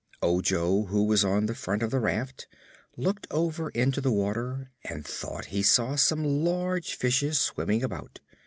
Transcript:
Ojo, who was on the front of the raft, looked over into the water and thought he saw some large fishes swimming about.